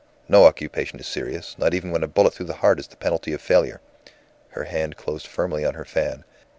No occupation is serious, not even when a bullet through the heart is the penalty of failure!" Her hand closed firmly on her fan.